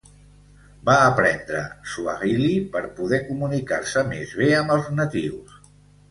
Va aprendre suahili per poder comunicar-se més bé amb els natius.